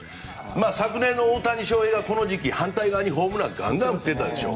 昨年の大谷翔平がこの時期、反対側にホームランをガンガン打ってたでしょ。